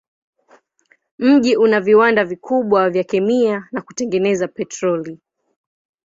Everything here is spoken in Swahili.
Mji una viwanda vikubwa vya kemia na kutengeneza petroli.